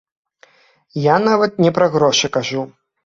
Я нават не пра грошы кажу.